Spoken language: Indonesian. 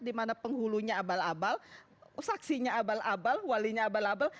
dimana penghulunya abal abal saksinya abal abal walinya abal abal